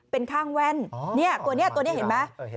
เป็นข้างแว่นตัวนี้ตัวนี้เห็นไหม